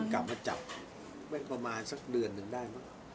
กลับมาจับได้ประมาณสักเดือนหนึ่งได้มั้ง